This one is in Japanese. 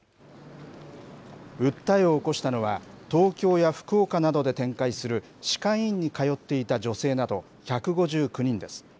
訴えを起こしたのは、東京や福岡などで展開する歯科医院に通っていた女性など１５９人です。